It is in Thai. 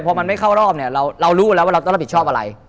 พอมันไม่เข้ารอบนี่เรารอบรู้แล้วว่าต้องรับผิดชอบที่อะไร